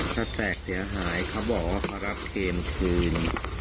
จะแตกเสียหายครับบอกว่าพระรับเกมคืน